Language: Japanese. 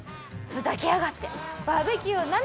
「ふざけやがって」。